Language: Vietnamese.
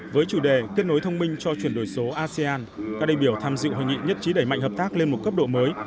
với chủ đề kết nối thông minh cho chuyển đổi số asean các đại biểu tham dự hội nghị nhất trí đẩy mạnh hợp tác lên một cấp độ mới